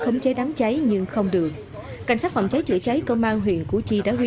khống chế đám cháy nhưng không được cảnh sát phòng cháy chữa cháy công an huyện củ chi đã huy